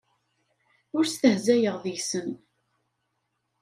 Ur stehzayeɣ deg-sen.